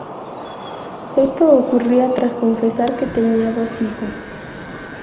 Esto ocurría tras confesar que tenía dos hijos.